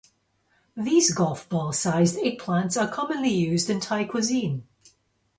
These golf ball sized eggplants are commonly used in Thai cuisine.